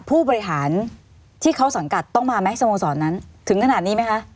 ผู้บริหารที่เขาสังกัดต้องมาไหมสโมสรนั้นถึงขนาดนี้ไหมคะ